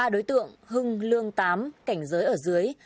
ba đối tượng hưng lương tám cảnh giới ở dưới